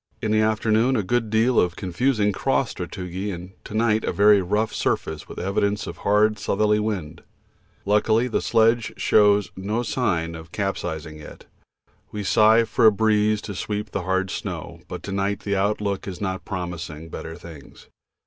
In the afternoon a good deal of confusing cross sastrugi, and to night a very rough surface with evidences of hard southerly wind. Luckily the sledge shows no signs of capisizing yet. We sigh for a breeze to sweep the hard snow, but to night the outlook is not promising better things.